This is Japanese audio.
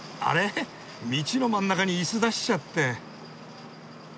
道の真ん中に椅子出しちゃって！